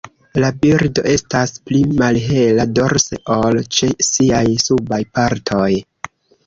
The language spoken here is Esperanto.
La birdo estas pli malhela dorse ol ĉe siaj subaj partoj.